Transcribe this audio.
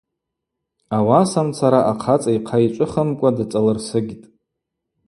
Ауасамцара ахъацӏа йхъа йчӏвыхымкӏва дацӏалырсыгьтӏ.